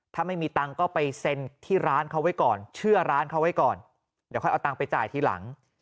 ถ้าไม่มีตังค์ก็ไปเซ็นที่ร้านเขาไว้ก่อนเชื่อร้านเขาไว้ก่อนเดี๋ยวค่อยเอาตังค์ไปจ่ายทีหลัง